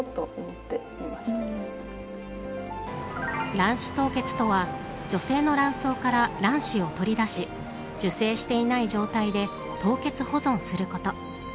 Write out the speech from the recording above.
卵子凍結とは女性の卵巣から卵子を取り出し受精していない状態で凍結保存すること。